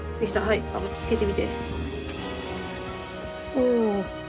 おお。